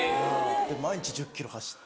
毎日１０ｋｍ走って。